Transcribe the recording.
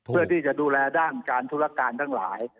เพื่อที่จะดูแลด้านการธุรการทั้งหลาย